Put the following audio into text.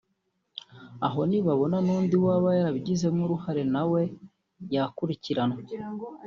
aho nibabona n’undi waba yarabigizemo uruhare na we yakurikiranwa